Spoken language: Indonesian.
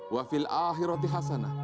wafil akhirati hasana